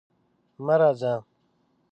مه راځه!